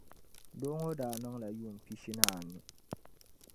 Doo ŋɔ daa niŋla yuun' pishi ni anu.